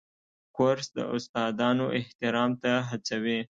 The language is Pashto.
کورس د استادانو احترام ته هڅوي.